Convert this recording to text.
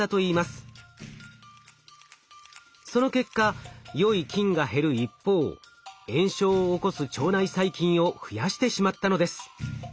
その結果よい菌が減る一方炎症を起こす腸内細菌を増やしてしまったのです。